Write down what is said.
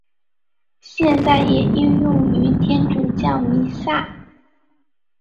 现在也应用于天主教弥撒。